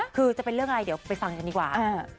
คือจะเป็นเรื่องอะไรเดี๋ยวไปฟังกันดีกว่า